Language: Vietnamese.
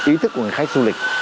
ý thức của người khách du lịch